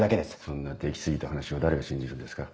そんな出来過ぎた話を誰が信じるんですか。